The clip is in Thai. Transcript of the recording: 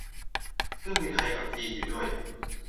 ซึ่งมีไทยกับจีนอยู่ด้วย